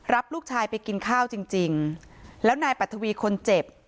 รับลูกชายไปกินข้าวจริงจริงแล้วนายปัทวีคนเจ็บ